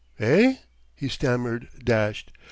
"Eh?" he stammered, dashed.